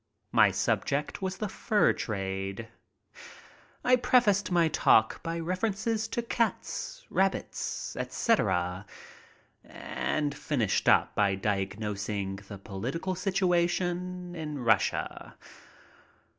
My subject was the "fur trade." I prefaced my talk by references to cats, rabbits, etc., and finished up by diagnosing the political situation in Russia.